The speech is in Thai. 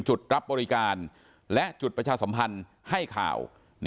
จุดรับบริการและจุดประชาสัมพันธ์ให้ข่าว